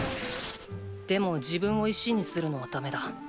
でも自分を石にするのはだめだ。